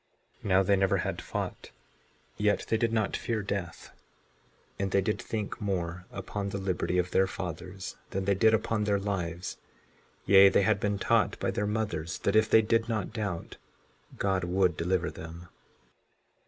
56:47 Now they never had fought, yet they did not fear death; and they did think more upon the liberty of their fathers than they did upon their lives; yea, they had been taught by their mothers, that if they did not doubt, God would deliver them.